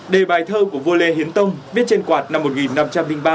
đề bài thơ của vua lê hiến tông viết trên quạt năm một nghìn năm trăm linh ba